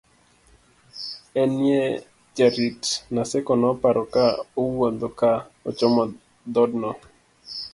en ye jarit, Naseko noparo ka owuodho ka ochomo dhodno